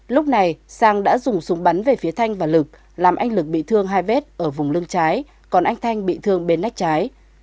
lúc này sang đã dùng súng bắn về phía thanh và lực làm anh lực bị thương hai vết ở vùng lưng trái còn anh thanh bị thương bên nách trái